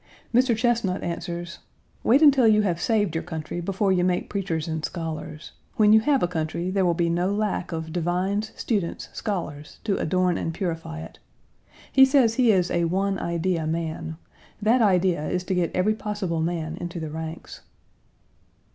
Mr. Chesnut answers: "Wait until you have saved your country before you make preachers and scholars. When you have a country, there will be no lack of divines, students, scholars to adorn and purify it." He says he is a one idea man. That idea is to get every possible man into the ranks.